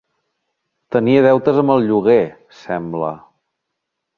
Tenia deutes amb el lloguer, sembla.